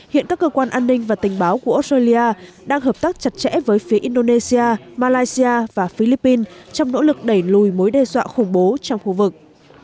hiện các cơ quan an ninh và tình báo của australia đang hợp tác chặt chẽ với phía indonesia malaysia và philippines trong nỗ lực đẩy lùi mối đe dọa khủng bố trong khu vực